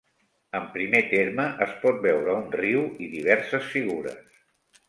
En primer terme es pot veure un riu i diverses figures.